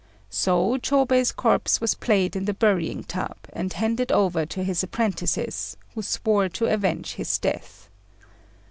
So Chôbei's corpse was placed in the burying tub, and handed over to his apprentices, who swore to avenge his death.